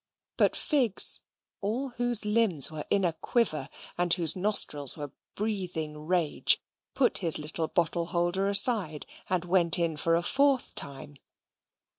But Figs, all whose limbs were in a quiver, and whose nostrils were breathing rage, put his little bottle holder aside, and went in for a fourth time.